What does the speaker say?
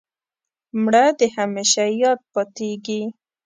مړه د همېشه یاد پاتېږي